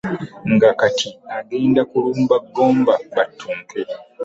Nga kati egenda kulumba Gomba battunke.